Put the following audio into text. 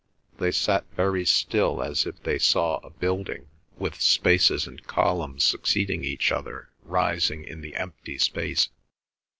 They sat very still as if they saw a building with spaces and columns succeeding each other rising in the empty space.